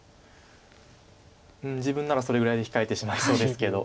うん自分ならそれぐらいで控えてしまいそうけど。